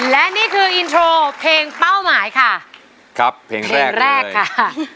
และนี่คืออินโทรเพลงเป้าหมายค่ะครับเพลงเพลงแรกค่ะ